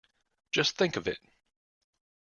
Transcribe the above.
Just think of it!